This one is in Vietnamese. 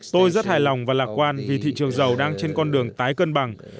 tôi rất hài lòng và lạc quan vì thị trường dầu đang trên con đường tái cân bằng